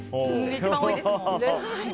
一番多いですもん。